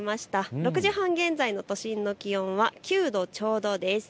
６時半現在の都心の気温は９度ちょうどです。